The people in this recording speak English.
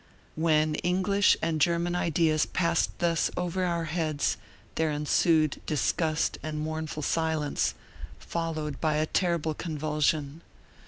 When English and German ideas passed thus over our heads there ensued disgust and mournful silence, followed by a terrible convulsion.